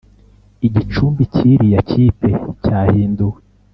igicumbi cyiriya kipe cyahinduwe